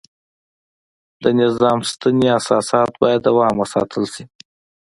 د نظام سنتي اساسات باید دوام وساتل شي.